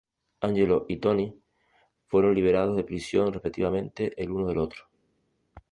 Angelo y Tony fueron liberados de prisión respectivamente el uno del otro.